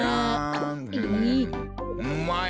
うまい。